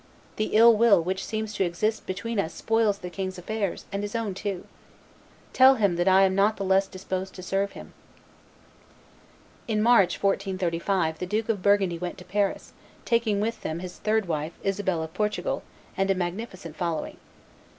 The ill will which seems to exist between us spoils the king's affairs and his own too. But tell him that I am not the less disposed to serve him." In March, 1435, the Duke of Burgundy went to Paris, taking with him his third wife, Isabel of Portugal, and a magnificent following.